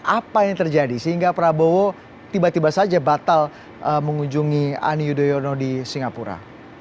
apa yang terjadi sehingga prabowo tiba tiba saja batal mengunjungi ani yudhoyono di singapura